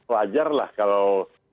wajar lah kalau